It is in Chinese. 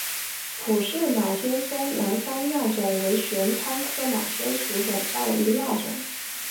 普氏马先蒿南方亚种为玄参科马先蒿属下的一个亚种。